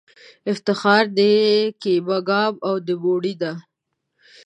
افتخار د کېمه ګام او د موڼی دی